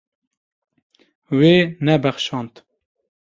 Wê nebexşand.